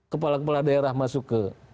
kepala kepala daerah masuk ke